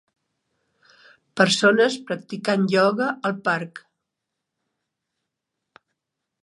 Persones practicant ioga al parc.